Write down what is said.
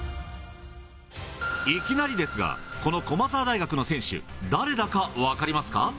いきなりですが、この駒澤大学の選手、誰だか分かりますか？